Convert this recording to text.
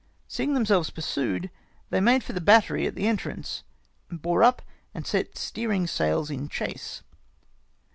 Seeing themselves pur WE PE OCEED TO MALTA. 103 sued, they made for the battery at the entrance. Bore up and set steering sails in chase.